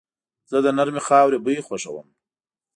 زه د نرمې خاورې بوی خوښوم.